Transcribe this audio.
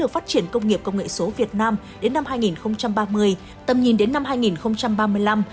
phát triển công nghiệp công nghệ số việt nam đến năm hai nghìn ba mươi tầm nhìn đến năm hai nghìn ba mươi năm